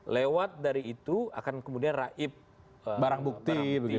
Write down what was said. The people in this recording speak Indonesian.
lewat dari itu akan kemudian raib barang bukti